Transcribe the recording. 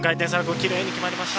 きれいに決まりました。